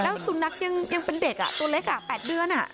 แล้วสูนักยังเป็นเด็กอ่ะตัวเล็กอ่ะ๘เดือนอ่ะ